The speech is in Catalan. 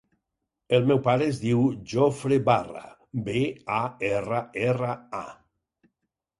El meu pare es diu Jofre Barra: be, a, erra, erra, a.